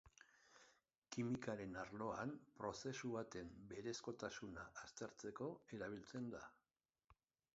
Kimikaren arloan prozesu baten berezkotasuna aztertzeko erabiltzen da.